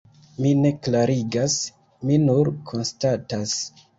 Mi ne klarigas, mi nur konstatas.